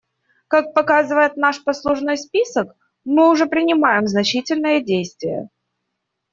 Как показывает наш послужной список, мы уже предпринимаем значительные действия.